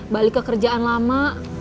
balik ke kerjaan lama